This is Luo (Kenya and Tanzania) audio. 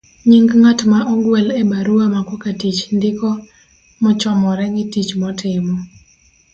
nying ng'at ma ogwel e barua makoka tich ndiko mochomore gi tich motimo